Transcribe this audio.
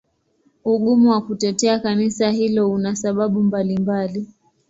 Ugumu wa kutetea Kanisa hilo una sababu mbalimbali.